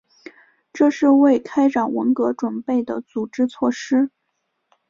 这是为开展文革准备的组织措施。